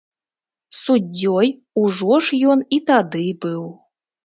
Суддзёй ужо ж ён і тады быў.